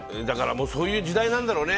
そういう時代なんだろうね。